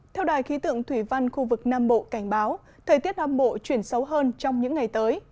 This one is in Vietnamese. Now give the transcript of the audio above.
theo đài khí tượng thủy văn khu vực nam bộ cảnh báo thời tiết nam bộ chuyển xấu hơn trong những ngày tới